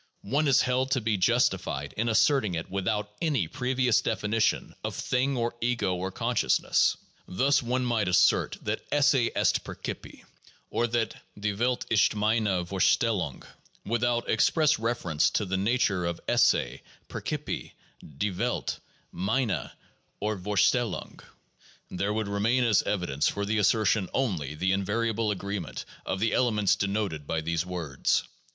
One is held to be justified in asserting it without any previous definition of thing or ego or consciousness. Thus one might assert that "esse est percipi," or that "die Welt ist meine Vorstellung '' without express reference to the nature of '' esse, '''' percipi, "" die Welt, "" meine, " or " Verstellung. '' There would remain as evidence for the assertion only the invariable agreement of the elements denoted by these words.